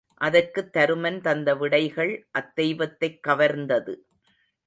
அதற்குத் தருமன் தந்த விடைகள் அத்தெய்வத்தைக் கவர்ந்தது.